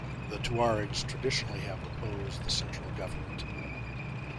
The Tuaregs traditionally have opposed the central government.